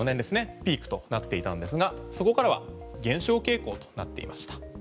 ピークとなっていたんですがそこからは減少傾向となっていました。